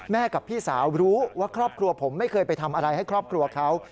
กับพี่สาวรู้ว่าครอบครัวผมไม่เคยไปทำอะไรให้ครอบครัวเขา